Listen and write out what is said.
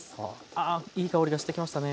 ああいい香りがしてきましたね。